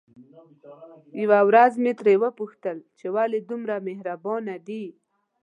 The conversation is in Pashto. يوه ورځ مې ترې وپوښتل چې ولې دومره مهربانه دي؟